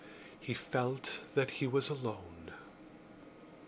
He felt that he was alone.